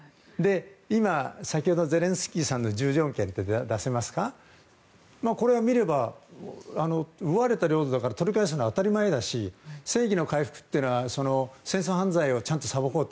今、先ほどゼレンスキーさんの１０条件ってこれを見れば奪われた領土とかを取り返すのは当たり前だし正義の回復というのは戦争犯罪をちゃんと裁こうと。